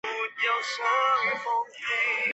蔡璧煌。